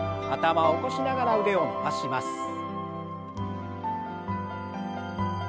頭を起こしながら腕を伸ばします。